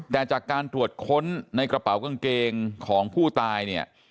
แต่จากการตรวจค้นในกระเป๋ากางเกงของผู้ตายเนี่ย